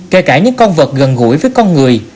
kể cả những con vật gần gũi với con người